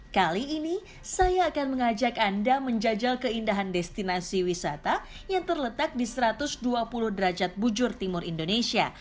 kali ini saya akan mengajak anda menjajal keindahan destinasi wisata yang terletak di satu ratus dua puluh derajat bujur timur indonesia